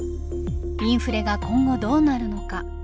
インフレが今後どうなるのか。